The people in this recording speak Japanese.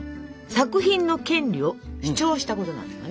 作品の権利を主張したことなんだよね。